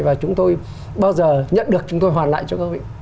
và chúng tôi bao giờ nhận được chúng tôi hoàn lại cho các vị